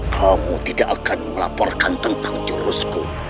kamu tidak akan melaporkan tentang jurusku